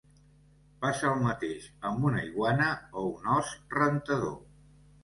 Passa el mateix amb una iguana o un os rentador.